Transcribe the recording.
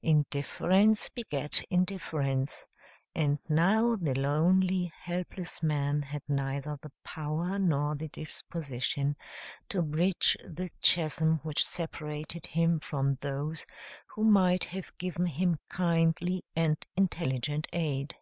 Indifference begat indifference, and now the lonely, helpless man had neither the power nor the disposition to bridge the chasm which separated him from those who might have given him kindly and intelligent aid.